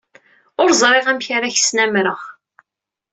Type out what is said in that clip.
Ur ẓriɣ amek ara k-snamreɣ.